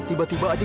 tidak ada apa apa